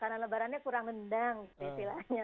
makanan lebarannya kurang mendang sih pilihannya